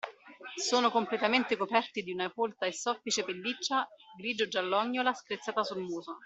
Sono completamente coperti di una folta e soffice pelliccia grigio giallognola screziata sul muso.